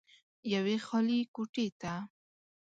يوې خالې کوټې ته